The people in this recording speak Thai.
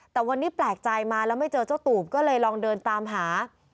แต่วันนี้แปลกใจมาแล้วไม่เจอเจ้าตูบก็เลยลองเดินตามหา